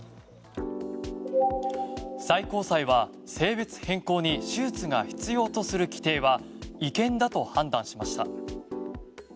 最高裁は、性別変更に手術が必要とする規定は違憲だと判断しました。